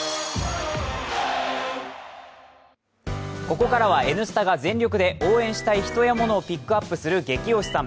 ここからは「Ｎスタ」が全力で応援したい人やモノをピックアップする激推しさん。